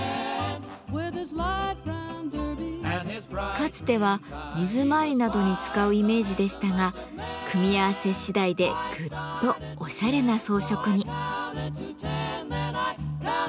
かつては水回りなどに使うイメージでしたが組み合わせ次第でぐっとおしゃれな装飾に。